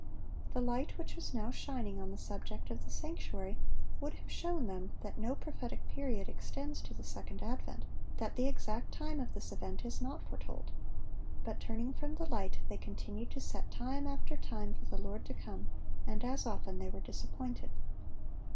The light which was now shining on the subject of the sanctuary would have shown them that no prophetic period extends to the second advent; that the exact time of this event is not foretold. But, turning from the light, they continued to set time after time for the Lord to come, and as often they were disappointed.